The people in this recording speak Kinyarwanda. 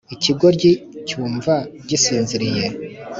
Ikigoryi cyumva gisinziriye